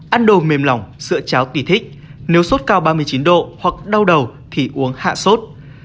ăn đồ mềm lỏng sữa cháo kỳ thích nếu sốt cao ba mươi chín độ hoặc đau đầu thì uống hạ sốt